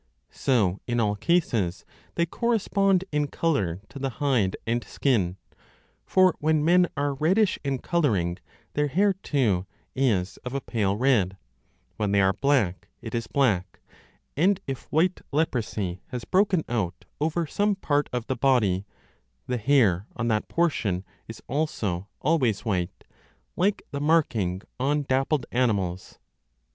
So in all cases they correspond in colour to the hide and skin ; for when men are reddish in colouring, their hair too is of a pale red ; when they are black, it is black ; and if white leprosy has broken out over some part of the body, the hair on that portion is also always white, like rg the marking on dappled animals.